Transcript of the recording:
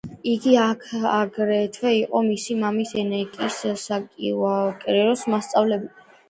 იგი აგრეთვე იყო მისი მამის, ენეკინ სკაიუოკერის მასწავლებელი.